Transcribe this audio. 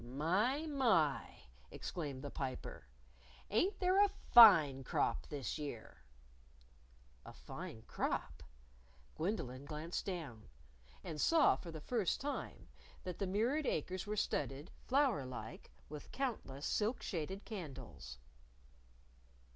"My! My!" exclaimed the Piper. "Ain't there a fine crop this year!" A fine crop? Gwendolyn glanced down. And saw for the first time that the mirrored acres were studded, flower like, with countless silk shaded candles!